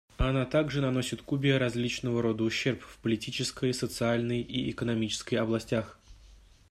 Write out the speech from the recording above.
Она также наносит Кубе различного рода ущерб в политической, социальной и экономической областях.